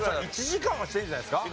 １時間はしてるんじゃないですか。